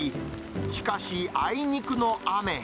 しかしあいにくの雨。